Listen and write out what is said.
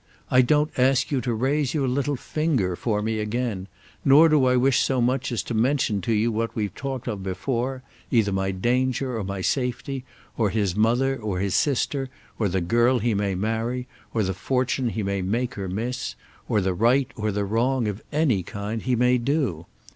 I don't ask you to raise your little finger for me again, nor do I wish so much as to mention to you what we've talked of before, either my danger or my safety, or his mother, or his sister, or the girl he may marry, or the fortune he may make or miss, or the right or the wrong, of any kind, he may do.